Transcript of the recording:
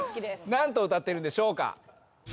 何と歌ってるんでしょうか？